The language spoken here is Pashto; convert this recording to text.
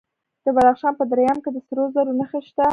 د بدخشان په درایم کې د سرو زرو نښې شته.